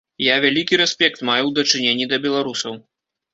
Я вялікі рэспект маю ў дачыненні да беларусаў.